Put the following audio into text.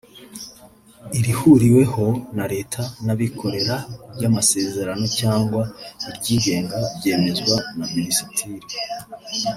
irihuriweho na Leta n’abikorera ku bw’amasezerano cyangwa iryigenga byemezwa na Minisitiri